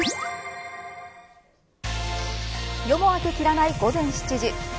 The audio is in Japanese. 夜も明け切らない午前７時。